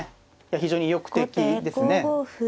非常に意欲的ですね。